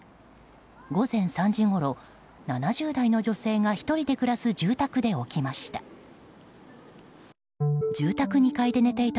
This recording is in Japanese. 午前３時ごろ、７０代の女性が１人で暮らす住宅で起きました。